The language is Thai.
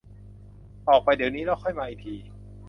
ออกไปเดี๋ยวนี้แล้วค่อยมาอีกที